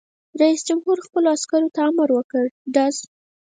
رئیس جمهور خپلو عسکرو ته امر وکړ؛ ډز!